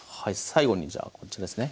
最後にじゃあこちらですね。